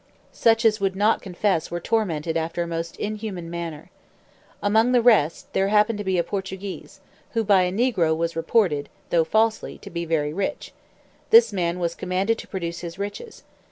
Such as would not confess were tormented after a most inhuman manner. Among the rest, there happened to be a Portuguese, who by a negro was reported, though falsely, to be very rich; this man was commanded to produce his riches.